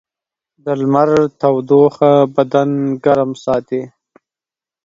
د لمر تودوخه بدن ګرم ساتي.